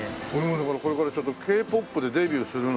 これからちょっとＫ−ＰＯＰでデビューするのに。